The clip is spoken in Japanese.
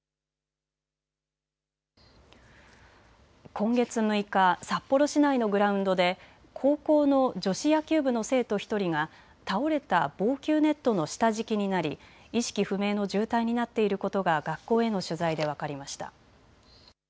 今月６日、札幌市内のグラウンドで高校の女子野球部の生徒１人が倒れた防球ネットの下敷きになり意識不明の重体になっていることが学校への取材で分かりました。